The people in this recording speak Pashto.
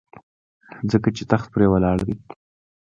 ځکه چې تخت پرې ولاړ دی.